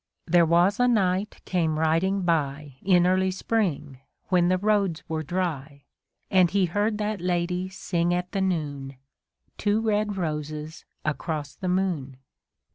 There was a knight came riding by In early spring, when the roads were dry ; And he heard that lady sing at the noon, Two red roses across the moon.